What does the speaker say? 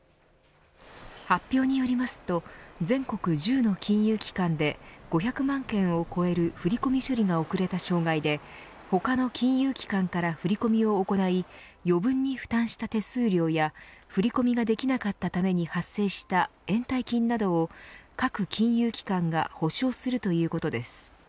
発表によりますと全国１０の金融機関で５００万件を超える振込処理が遅れた障害で他の金融機関から振り込みを行い余分に負担した手数料や振込ができなかったために発生した延滞金などを各金融機関が保証するということです。